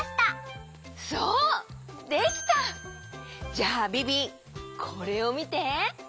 じゃあビビこれをみて！